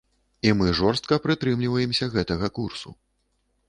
І мы жорстка прытрымліваемся гэтага курсу.